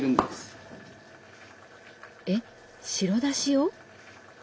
えっ白だしを？